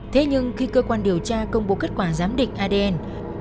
thế nhưng khi cơ quan điều tra công bố kết quả giám định adn